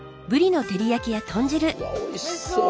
うわっおいしそう。